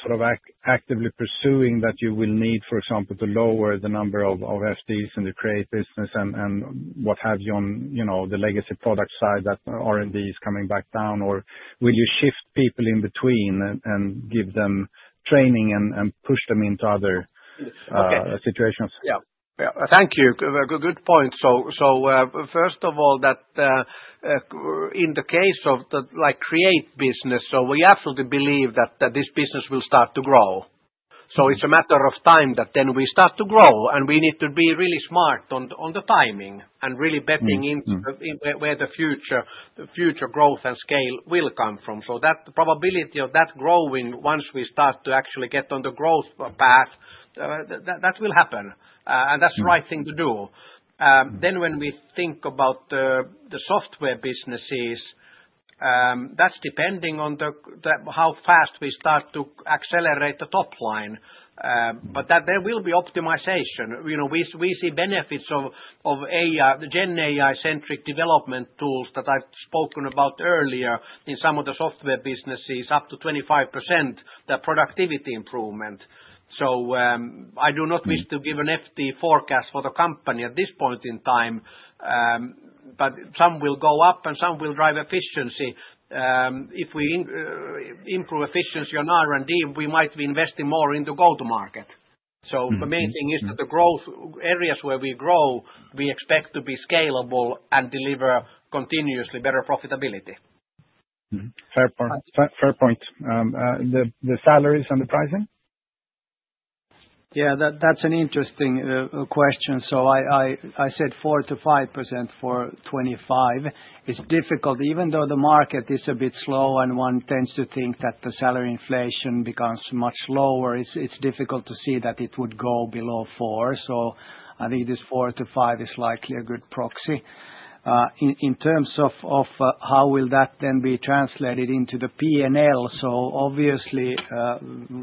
sort of actively pursuing that you will need, for example, to lower the number of FTEs in the Create business and what have you on the legacy product side that R&D is coming back down? Or will you shift people in between and give them training and push them into other situations? Yeah. Thank you. Good point. So first of all, in the case of the Create business, we absolutely believe that this business will start to grow. It's a matter of time that then we start to grow. We need to be really smart on the timing and really betting into where the future growth and scale will come from. That probability of that growing once we start to actually get on the growth path, that will happen. That's the right thing to do. When we think about the software businesses, that's depending on how fast we start to accelerate the top line. There will be optimization. We see benefits of Gen AI-centric development tools that I've spoken about earlier in some of the software businesses, up to 25%, the productivity improvement. I do not wish to give an FTE forecast for the company at this point in time, but some will go up and some will drive efficiency. If we improve efficiency on R&D, we might be investing more into go-to-market. The main thing is that the growth areas where we grow, we expect to be scalable and deliver continuously better profitability. Fair point. The salaries and the pricing? Yeah, that's an interesting question. I said 4%-5% for 2025. It's difficult. Even though the market is a bit slow and one tends to think that the salary inflation becomes much lower, it's difficult to see that it would go below 4%. So I think this 4%-5% is likely a good proxy. In terms of how will that then be translated into the P&L. So obviously,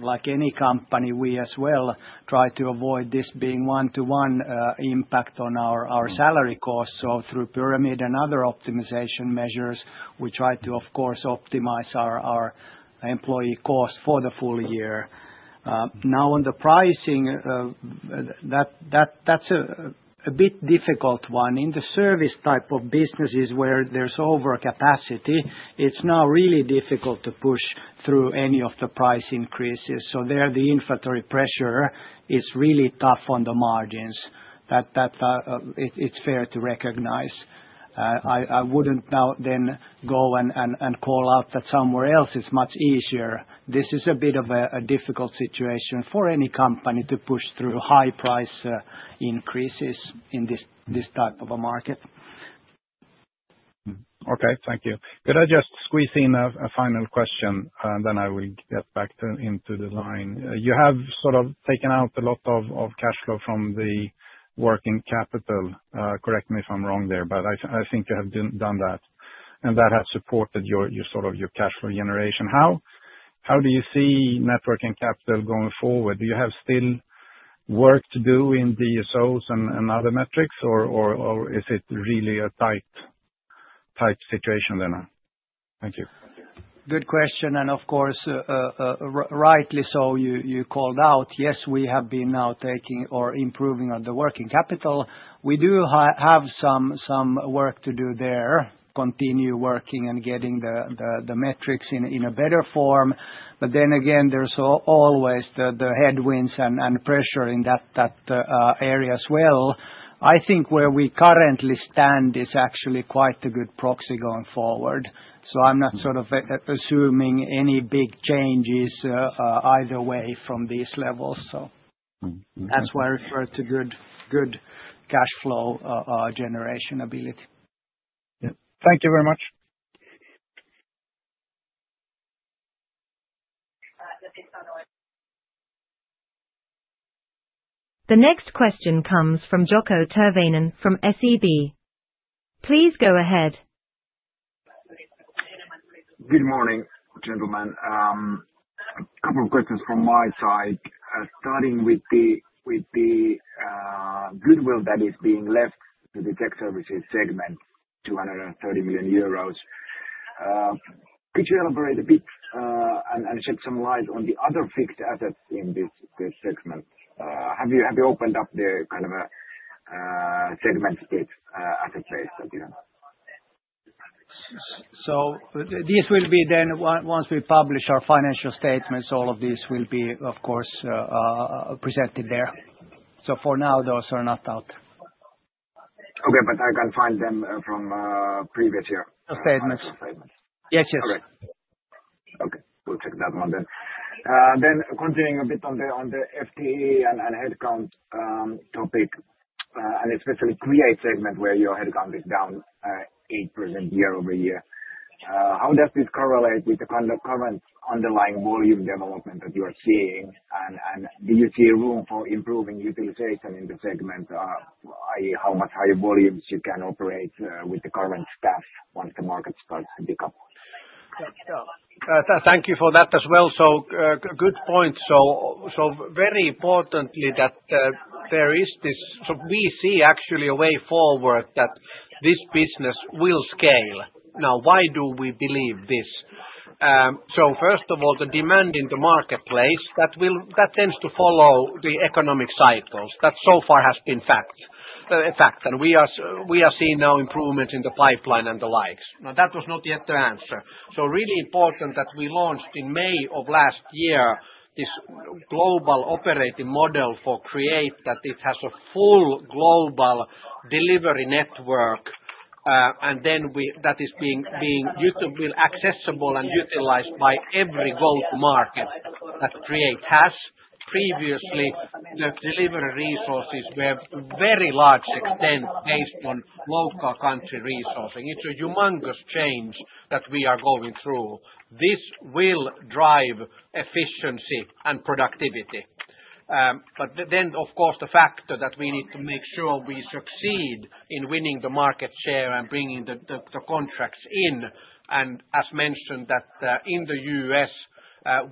like any company, we as well try to avoid this being one-to-one impact on our salary cost. So through pyramid and other optimization measures, we try to, of course, optimize our employee cost for the full year. Now, on the pricing, that's a bit difficult one. In the service type of businesses where there's overcapacity, it's now really difficult to push through any of the price increases. So there, the inflationary pressure is really tough on the margins. It's fair to recognize. I wouldn't now then go and call out that somewhere else is much easier. This is a bit of a difficult situation for any company to push through high price increases in this type of a market. Okay, thank you. Could I just squeeze in a final question, then I will get back into the line? You have sort of taken out a lot of cash flow from the working capital. Correct me if I'm wrong there, but I think you have done that. And that has supported your sort of your cash flow generation. How do you see working capital going forward? Do you have still work to do in DSOs and other metrics, or is it really a tight situation then? Thank you. Good question. And of course, rightly so you called out. Yes, we have been now taking or improving on the working capital. We do have some work to do there, continue working and getting the metrics in a better form. But then again, there's always the headwinds and pressure in that area as well. I think where we currently stand is actually quite a good proxy going forward. So I'm not sort of assuming any big changes either way from these levels. So that's why I refer to good cash flow generation ability. Thank you very much. The next question comes from Jaakko Tyrväinen from SEB. Please go ahead. Good morning, gentlemen. A couple of questions from my side. Starting with the goodwill that is being left to the Tech Services segment, 230 million euros. Could you elaborate a bit and shed some light on the other fixed assets in this segment? Have you opened up the kind of a segment split asset base that you have? So this will be then once we publish our financial statements, all of these will be, of course, presented there. So for now, those are not out. Okay, but I can find them from previous year statements. The statements. Yes, yes. Correct. Okay. We'll check that one then. Then continuing a bit on the FTE and headcount topic, and especially Create segment where your headcount is down 8% year-over-year. How does this correlate with the kind of current underlying volume development that you are seeing? And do you see room for improving utilization in the segment, i.e., how much higher volumes you can operate with the current staff once the market starts to pick up? Thank you for that as well. So good point. So very importantly that there is this, so we see actually a way forward that this business will scale. Now, why do we believe this? So first of all, the demand in the marketplace that tends to follow the economic cycles that so far has been fact. And we are seeing now improvements in the pipeline and the likes. Now, that was not yet the answer. So really important that we launched in May of last year this global operating model for Create that it has a full global delivery network, and then that is being accessible and utilized by every go-to-market that Create has. Previously, the delivery resources were very large extent based on local country resourcing. It's a humongous change that we are going through. This will drive efficiency and productivity. But then, of course, the factor that we need to make sure we succeed in winning the market share and bringing the contracts in. As mentioned, that in the U.S.,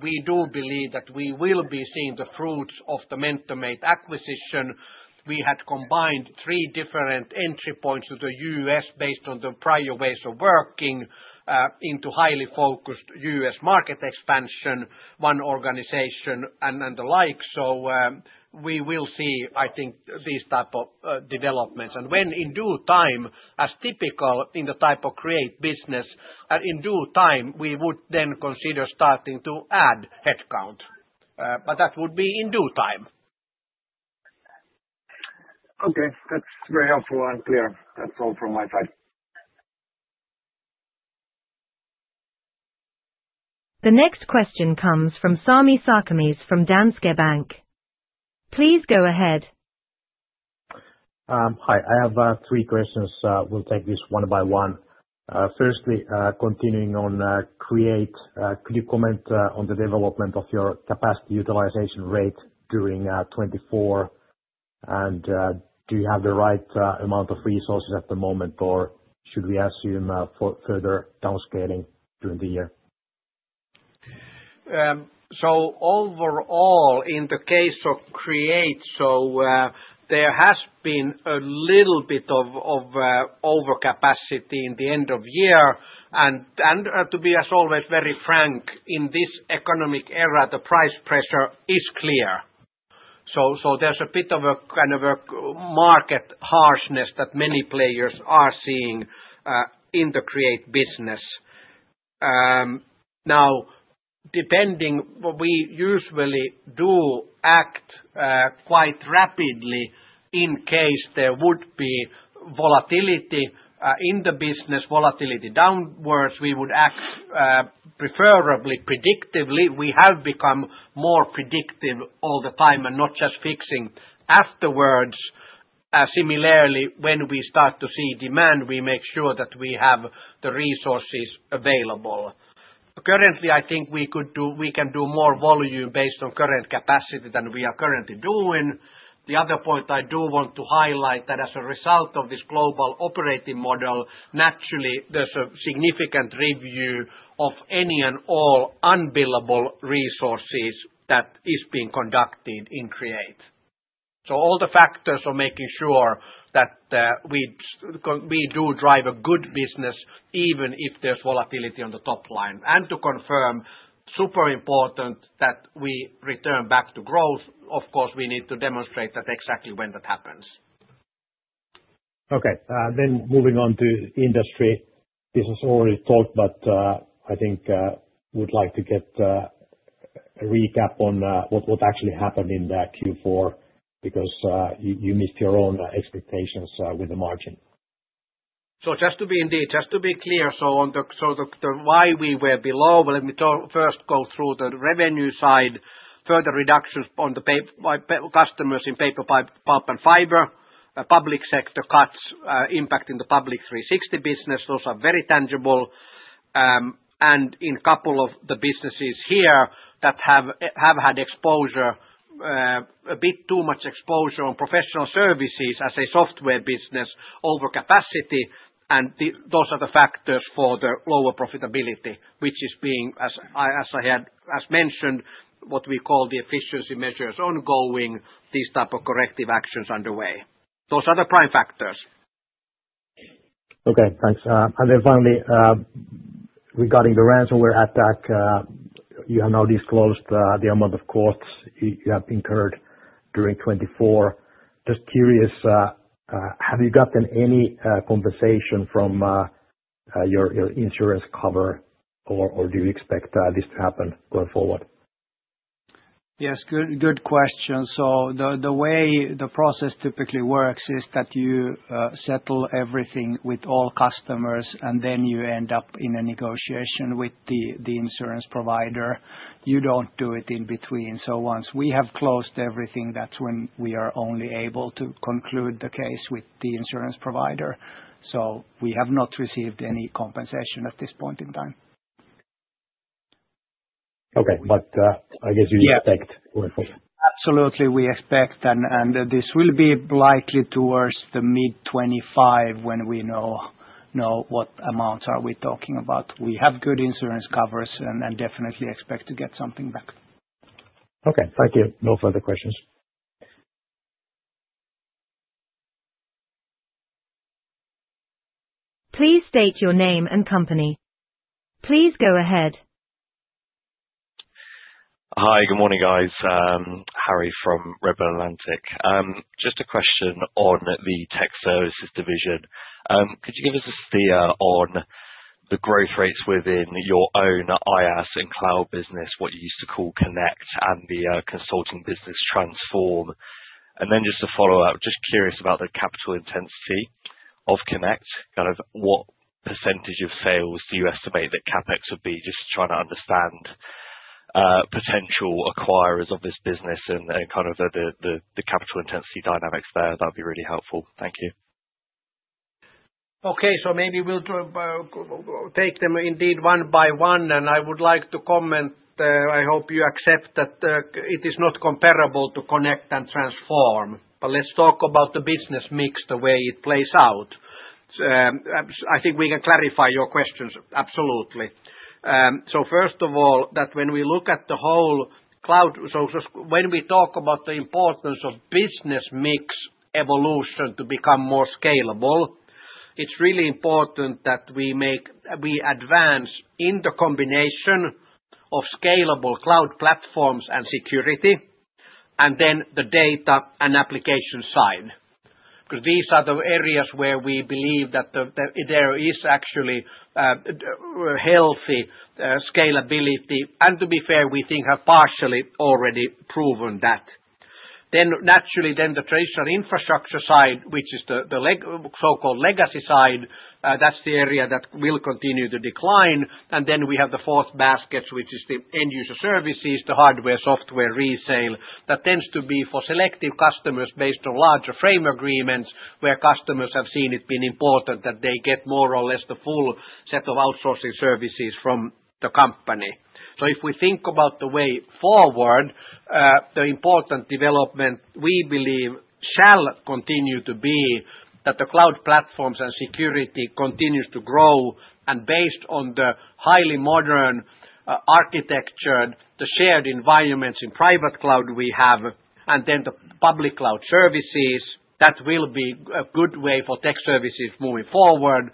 we do believe that we will be seeing the fruits of the MentorMate acquisition. We had combined three different entry points to the U.S. based on the prior ways of working into highly focused U.S. market expansion, one organization and the like. We will see, I think, these type of developments. When in due time, as typical in the type of Create business, in due time, we would then consider starting to add headcount. That would be in due time. Okay. That's very helpful and clear. That's all from my side. The next question comes from Sami Sarkamies from Danske Bank. Please go ahead. Hi. I have three questions. We'll take this one by one. Firstly, continuing on Create, could you comment on the development of your capacity utilization rate during 2024? Do you have the right amount of resources at the moment, or should we assume further downscaling during the year? Overall, in the case of Create, so there has been a little bit of overcapacity in the end of year. To be as always very frank, in this economic era, the price pressure is clear. There's a bit of a kind of market harshness that many players are seeing in the Create business. Now, depending what we usually do act quite rapidly in case there would be volatility in the business, volatility downwards, we would act preferably predictably. We have become more predictive all the time and not just fixing afterwards. Similarly, when we start to see demand, we make sure that we have the resources available. Currently, I think we can do more volume based on current capacity than we are currently doing. The other point I do want to highlight that as a result of this global operating model, naturally, there's a significant review of any and all unbillable resources that is being conducted in Create. So all the factors are making sure that we do drive a good business even if there's volatility on the top line. And to confirm, super important that we return back to growth. Of course, we need to demonstrate that exactly when that happens. Okay. Then moving on to Industry. This is already talked, but I think we'd like to get a recap on what actually happened in Q4 because you missed your own expectations with the margin. So just to be clear, so why we were below, let me first go through the revenue side, further reductions on the customers in paper, pulp, and fiber, public sector cuts, impact in the Public 360 business. Those are very tangible. And in a couple of the businesses here that have had exposure, a bit too much exposure on professional services as a software business, overcapacity. And those are the factors for the lower profitability, which is being, as I had mentioned, what we call the efficiency measures ongoing, these type of corrective actions underway. Those are the prime factors. Okay. Thanks. And then finally, regarding the ransomware attack, you have now disclosed the amount of costs you have incurred during 2024. Just curious, have you gotten any compensation from your insurance cover, or do you expect this to happen going forward? Yes. Good question. So the way the process typically works is that you settle everything with all customers, and then you end up in a negotiation with the insurance provider. You don't do it in between. So once we have closed everything, that's when we are only able to conclude the case with the insurance provider. So we have not received any compensation at this point in time. Okay. But I guess you expect. Absolutely. We expect. And this will be likely towards the mid-2025 when we know what amounts are we talking about. We have good insurance covers and definitely expect to get something back. Okay. Thank you. No further questions. Please state your name and company. Please go ahead. Hi. Good morning, guys. Harry from Redburn Atlantic. Just a question on the Tech Services division. Could you give us a steer on the growth rates within your own IaaS and Cloud business, what you used to call Connect, and the consulting business Transform? And then just to follow up, just curious about the capital intensity of Connect. Kind of what percentage of sales do you estimate that CapEx would be? Just trying to understand potential acquirers of this business and kind of the capital intensity dynamics there. That would be really helpful. Thank you. Okay. So maybe we'll take them indeed one by one, and I would like to comment. I hope you accept that it is not comparable to Connect and Transform, but let's talk about the business mix, the way it plays out. I think we can clarify your questions. Absolutely. So first of all, that when we look at the whole cloud, so when we talk about the importance of business mix evolution to become more scalable, it's really important that we advance in the combination of scalable cloud platforms and security, and then the data and application side. Because these are the areas where we believe that there is actually healthy scalability. And to be fair, we think have partially already proven that. Then naturally, then the traditional infrastructure side, which is the so-called legacy side, that's the area that will continue to decline. And then we have the fourth basket, which is the end-user services, the hardware, software resale, that tends to be for selective customers based on larger frame agreements where customers have seen it being important that they get more or less the full set of outsourcing services from the company. So if we think about the way forward, the important development we believe shall continue to be that the cloud platforms and security continues to grow. And based on the highly modern architecture, the shared environments in private cloud we have, and then the public cloud services, that will be a good way for Tech Services moving forward.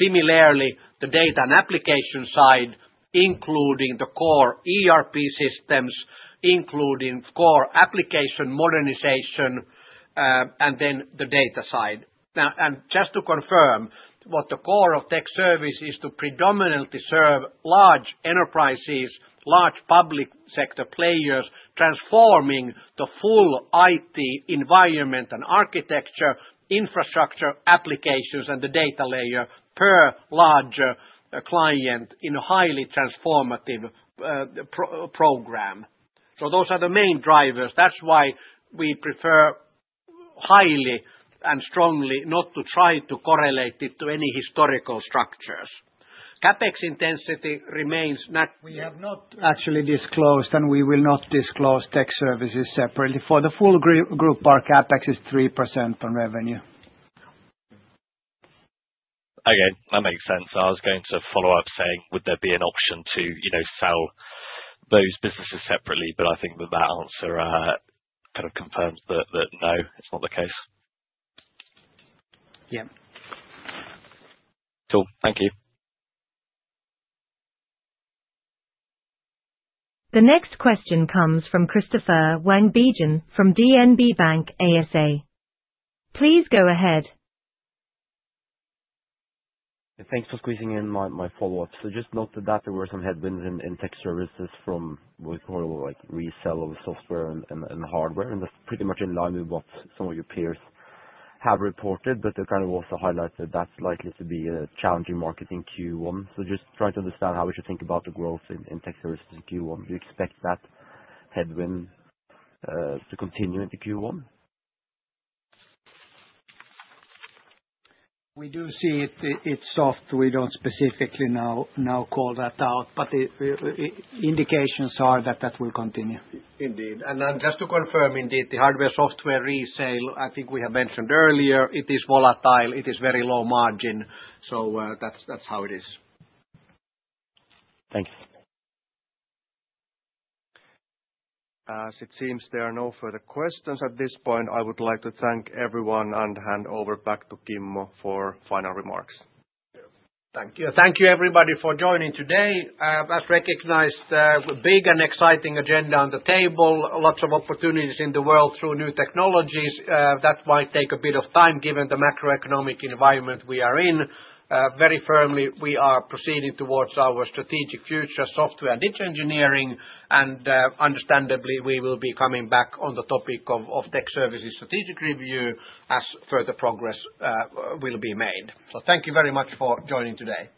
Similarly, the data and application side, including the core ERP systems, including core application modernization, and then the data side. Just to confirm, what the core of Tech Services is to predominantly serve large enterprises, large public sector players, transforming the full IT environment and architecture, infrastructure, applications, and the data layer per larger client in a highly transformative program. Those are the main drivers. That's why we prefer highly and strongly not to try to correlate it to any historical structures. CapEx intensity remains not. We have not actually disclosed, and we will not disclose Tech Services separately. For the full group, our CapEx is 3% on revenue. Okay. That makes sense. I was going to follow up saying, would there be an option to sell those businesses separately? But I think that that answer kind of confirms that no, it's not the case. Yeah. Cool. Thank you. The next question comes from Christoffer Wang Bjørnsen from DNB Bank ASA. Please go ahead. Thanks for squeezing in my follow up. So just note that there were some headwinds in Tech Services from what we call resale of software and hardware. And that's pretty much in line with what some of your peers have reported, but they kind of also highlighted that that's likely to be a challenging market in Q1. So just trying to understand how would you think about the growth in Tech Services in Q1. Do you expect that headwind to continue into Q1? We do see it soft. We don't specifically now call that out, but indications are that that will continue. Indeed. And then just to confirm, indeed, the hardware software resale, I think we have mentioned earlier, it is volatile. It is very low margin. So that's how it is. Thank you. As it seems, there are no further questions at this point. I would like to thank everyone and hand over back to Kimmo for final remarks. Thank you. Thank you, everybody, for joining today. As recognized, a big and exciting agenda on the table, lots of opportunities in the world through new technologies. That might take a bit of time given the macroeconomic environment we are in. Very firmly, we are proceeding towards our strategic future, software and digital engineering, and understandably, we will be coming back on the topic of Tech Services strategic review as further progress will be made, so thank you very much for joining today.